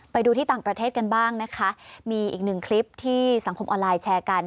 ไปดูที่ต่างประเทศกันบ้างนะคะมีอีกหนึ่งคลิปที่สังคมออนไลน์แชร์กัน